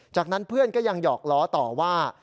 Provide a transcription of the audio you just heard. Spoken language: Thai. จากนั้นเพื่อนก็ยังหยอกล้อต่อว่า